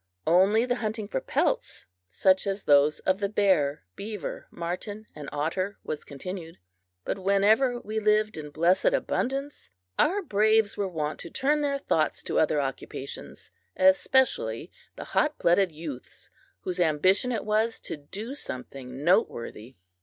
Only the hunting for pelts, such as those of the bear, beaver, marten, and otter was continued. But whenever we lived in blessed abundance, our braves were wont to turn their thoughts to other occupations especially the hot blooded youths whose ambition it was to do something noteworthy.